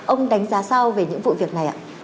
ông đánh giá sao về những vụ việc này ạ